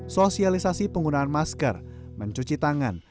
sosialisasi penggunaan masker mencuci tangan